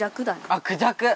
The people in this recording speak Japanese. あっクジャク！